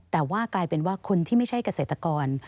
แต่ว่ากลายเป็นว่าคนที่ไม่ใช่เกษตรกร